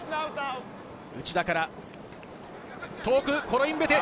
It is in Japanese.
内田から遠くコロインベテ。